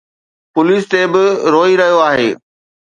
Police تي به روئي رهيو آهي.